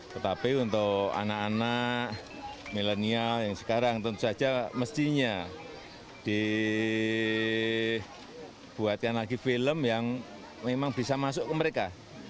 tetapi untuk anak anak milenial yang sekarang tentu saja mestinya dibuatkan lagi film yang memang bisa masuk ke mereka